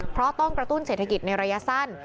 เพราะต้องกระตุ้นเศรษฐกิจในระยะสั้น